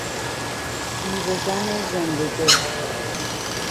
بیوه زن زنده دل